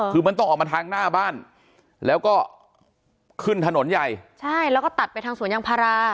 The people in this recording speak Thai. คือมันต้องออกมาทางหน้าบ้านแล้วก็ขึ้นถนนใหญ่ใช่แล้วก็ตัดไปทางสวนยางพารา